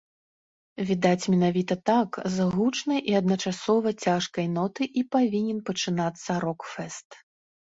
Відаць менавіта так, з гучнай і адначасова цяжкай ноты і павінен пачынацца рок-фэст.